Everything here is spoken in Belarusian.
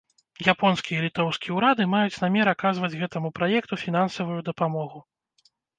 Японскі і літоўскі ўрады маюць намер аказваць гэтаму праекту фінансавую дапамогу.